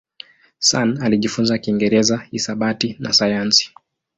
Sun alijifunza Kiingereza, hisabati na sayansi.